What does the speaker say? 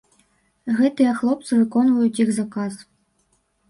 Гэтыя хлопцы выконваюць іх заказ.